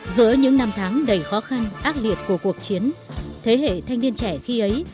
giữa những năm tháng đầy khó khăn ác liệt của cuộc chiến thế hệ thanh niên trẻ khi ấy